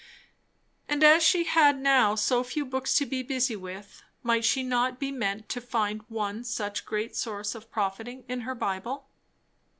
And, as she had now so few books to be busy with, might she not be meant to find one such great source of profiting in her Bible?